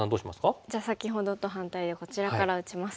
じゃあ先ほどと反対でこちらから打ちます。